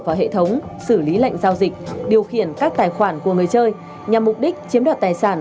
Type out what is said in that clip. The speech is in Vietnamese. vào hệ thống xử lý lệnh giao dịch điều khiển các tài khoản của người chơi nhằm mục đích chiếm đoạt tài sản